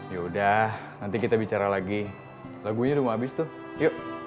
yaudah nanti kita bicara lagi lagunya udah mau habis tuh yuk